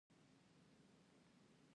د افغانستان نوم په تاریخ کې ځلیدلی دی.